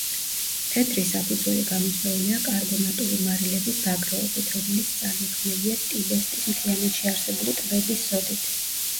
თეთრი საფუძველი გამოწვეულია კარბონატული მარილების დაგროვებით, რომელიც წარმოქმნილია ტიბესტის მთიანეთში არსებული ტბების სოდით.